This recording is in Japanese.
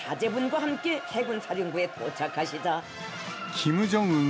キム・ジョンウン